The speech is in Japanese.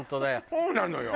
そうなのよ。